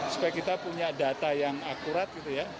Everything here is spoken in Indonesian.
supaya kita punya data yang akurat gitu ya